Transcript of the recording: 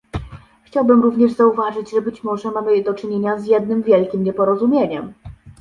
Chciałbym również zauważyć, że być może mamy do czynienia z jednym wielkim nieporozumieniem